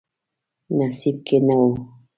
نصیب کې نه و.